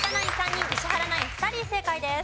人石原ナイン２人正解です。